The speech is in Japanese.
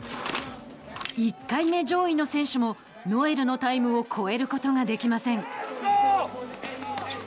１回目上位の選手もノエルのタイムを超えることができません。